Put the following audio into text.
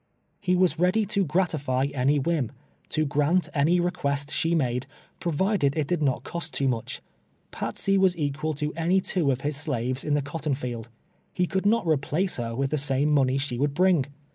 He was ready to gratify any whim — to grant any re quest she made, provided it did not cost too mnch. Patsey was ecpial to any two of his slaves in the cot ton field. He could not replace her with the same money she would bring.